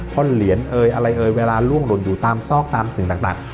ท่อนเหรียญเอ่ยอะไรเอ่ยเวลาล่วงหล่นอยู่ตามซอกตามสิ่งต่าง